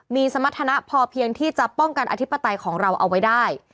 มีสมรรถนะพอเพียงที่จะป้องกันอธิปไตยของเราเอาไว้ได้